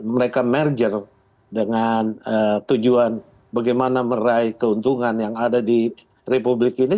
mereka merger dengan tujuan bagaimana meraih keuntungan yang ada di republik ini